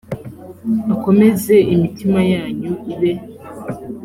akomeze imitima yanyu ibe